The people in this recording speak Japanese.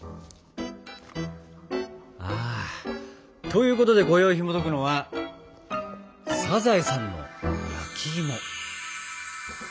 ということでこよいひもとくのは「サザエさんの焼きいも」。